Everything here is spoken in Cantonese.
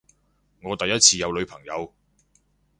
我第一次有女朋友